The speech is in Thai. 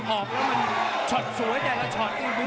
นอกได้นอกได้นอกได้นอกได้